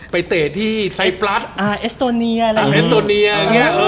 ไปเตะที่ไซด์ปรัสอ่าเอสโตเนียอ่าเอสโตเนียเนี้ยเออ